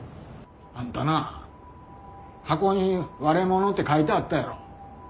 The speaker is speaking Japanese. あんたな箱に「割れ物」って書いてあったやろ。